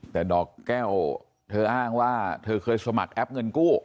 แต่ดอกแก้วเธออ้างว่าเธอเคยสมัครแอปเงินกู้